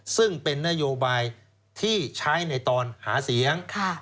ซึ่งเป็นนโยบายที่ใช้ในตอนหาเสียง